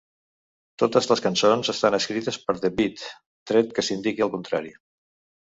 Totes les cançons estan escrites per The Beat, tret que s'indiqui el contrari.